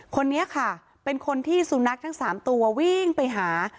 คนนี้ค่ะเป็นคนที่สุนัขทั้ง๓ตัววิ่งไปหา